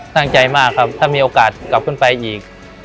ตั้งใจมากครับถ้ามีโอกาสกลับขึ้นไปอีก